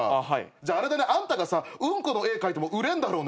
じゃああんたがうんこの絵描いても売れんだろうね。